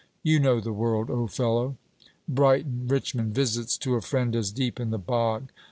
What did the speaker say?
You know the world, old fellow: Brighton, Richmond, visits to a friend as deep in the bog.